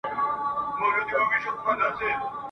رند به په لاسو کي پیاله نه لري ..